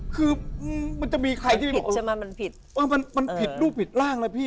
คือมันจะมีใครที่มันผิดมันผิดมันผิดรูปผิดร่างนะพี่